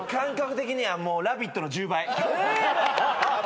えっ！？